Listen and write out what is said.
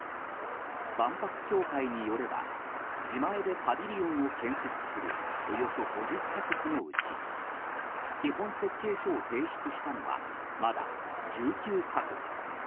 万博協会によれば自前でパビリオンを建設するおよそ５０か国のうち基本設計書を提出したのはまだ１９か国。